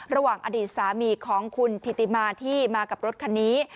ระหว่างอดีตสามีของคุณธิติมาที่มากับรถคันนี้